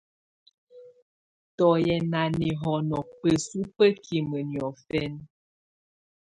Tù yɛ́ ná nɛ́hɔnɔ bǝ́su bǝ́kimǝ niɔfɛna.